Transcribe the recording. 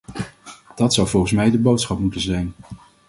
Dat zou volgens mij de boodschap moeten zijn.